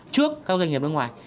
trước các doanh nghiệp nước ngoài